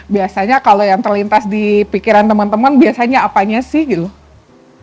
biasanya kalau yang terlintas di pikiran teman teman biasanya apanya sih gitu